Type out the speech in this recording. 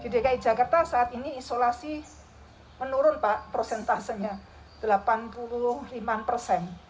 di dki jakarta saat ini isolasi menurun pak prosentasenya delapan puluh lima persen